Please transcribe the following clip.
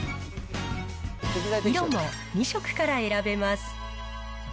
色も２色から選べます。